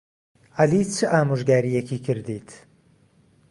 عەلی چ ئامۆژگارییەکی کردیت؟